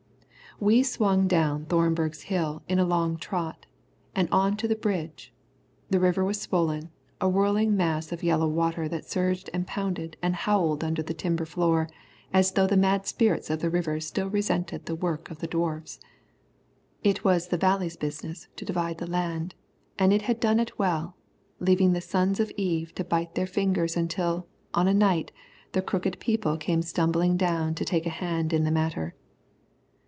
We swung down Thornberg's Hill in a long trot, and on to the bridge. The river was swollen, a whirling mass of yellow water that surged and pounded and howled under the timber floor as though the mad spirits of the river still resented the work of the Dwarfs. It was the Valley's business to divide the land, and it had done it well, leaving the sons of Eve to bite their fingers until, on a night, the crooked people came stumbling down to take a hand in the matter.